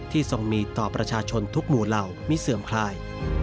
ทรงมีต่อประชาชนทุกหมู่เหล่ามิเสื่อมคลาย